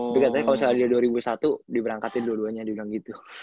tapi katanya kalo misalnya dia dua ribu satu diberangkatin dua duanya gitu